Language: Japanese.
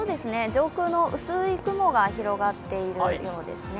上空は薄い雲が広がっているようですね。